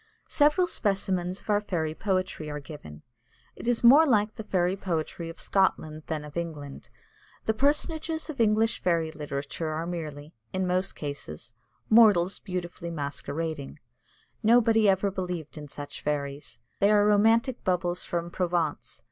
Several specimens of our fairy poetry are given. It is more like the fairy poetry of Scotland than of England. The personages of English fairy literature are merely, in most cases, mortals beautifully masquerading. Nobody ever believed in such fairies. They are romantic bubbles from Provence.